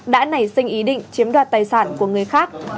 đã nảy sinh ý định chiếm đoạt tài sản của người khác